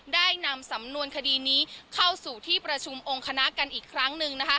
ได้นำสำนวนคดีนี้เข้าสู่ที่ประชุมองค์คณะกันอีกครั้งหนึ่ง